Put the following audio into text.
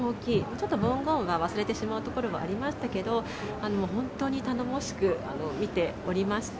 ちょっと文言は忘れてしまうところはありましたけど、本当に頼もしく見ておりました。